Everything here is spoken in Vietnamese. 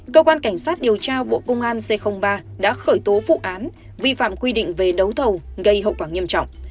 cơ quan cảnh sát điều tra bộ công an c ba đã khởi tố vụ án vi phạm quy định về đấu thầu gây hậu quả nghiêm trọng